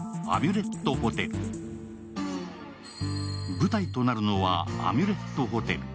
舞台となるのはアミュレット・ホテル。